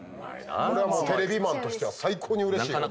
これはテレビマンとしては最高にうれしいよ。